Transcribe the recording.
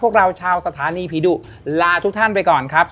พวกเราชาวสถานีผีดุลาทุกท่านไปก่อนครับ